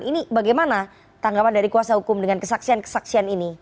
ini bagaimana tanggapan dari kuasa hukum dengan kesaksian kesaksian ini